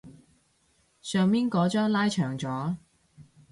上面嗰張拉長咗